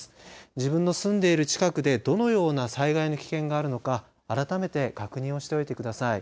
自分の住んでいる近くでどのような災害の危険があるのか改めて確認をしておいてください。